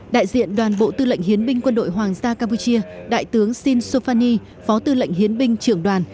đại diện đoàn bộ tư lệnh hiến binh quân đội hoàng gia campuchia đại tướng shin sofani phó tư lệnh hiến binh trưởng đoàn